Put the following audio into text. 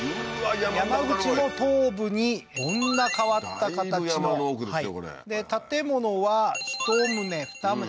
山口の東部にこんな変わった形の建物は１棟２棟